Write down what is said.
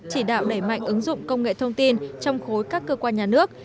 chỉ đạo đẩy mạnh ứng dụng công nghệ thông tin trong khối các cơ quan nhà nước